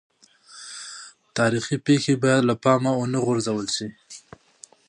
تاریخي پېښې باید له پامه ونه غورځول سي.